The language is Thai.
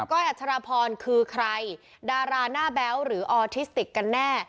อัชรพรคือใครดาราหน้าแบ๊วหรือออทิสติกกันแน่